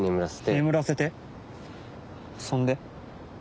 眠らせてそんで。